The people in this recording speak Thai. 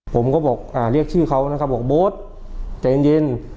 ผมก็บอกเรียกชื่อเขานะครับบอกโบ๊ทใจเย็น